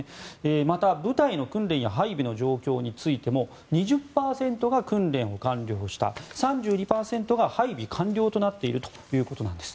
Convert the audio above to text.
また、部隊の訓練や配備の状況についても２０％が訓練を完了した３２％が配備完了となっているということです。